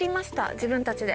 自分たちで。